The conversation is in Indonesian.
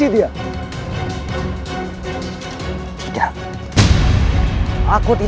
aku akan menangkap dia